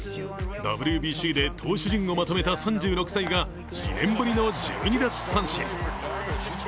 ＷＢＣで投手陣をまとめた３６歳が２年ぶりの１２奪三振。